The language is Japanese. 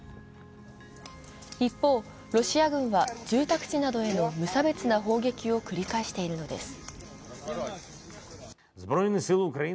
一方、ロシア軍は住宅地などへの無差別な砲撃を繰り返しているのです。